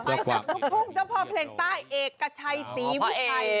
ไปกับลูกทุ่งเจ้าพ่อเพลงใต้เอกชัยศรีวิชัย